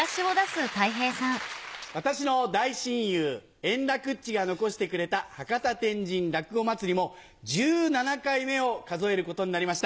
私の大親友円楽っちが残してくれた「博多・天神落語まつり」も１７回目を数えることになりました。